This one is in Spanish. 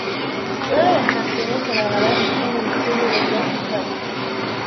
Todas las canciones grabadas en el estudio de John Peel.